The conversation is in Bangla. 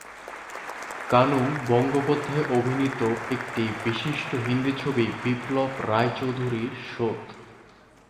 কানু বন্দ্যোপাধ্যায় অভিনীত একটি বিশিষ্ট হিন্দি ছবি বিপ্লব রায়চৌধুরীর ‘শোধ’।